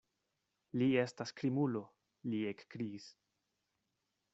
Li estas krimulo, li ekkriis.